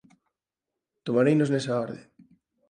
Tomareinos nesa orde.